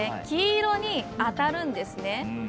黄色に当たるんですね。